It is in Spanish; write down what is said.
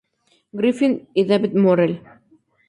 Griffin y David Morrell.